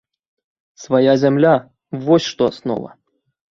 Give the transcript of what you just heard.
Свая зямля – вось што аснова!